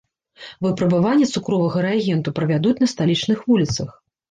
Выпрабаванне цукровага рэагенту правядуць на сталічных вуліцах.